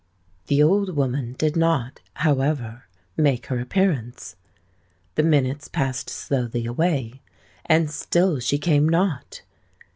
The old woman did not, however, make her appearance. The minutes passed slowly away—and still she came not.